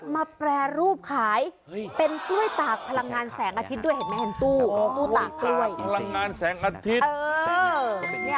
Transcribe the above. มาแปรรูปขายเป็นกล้วยตากพลังงานแสงอาทิตย์ด้วย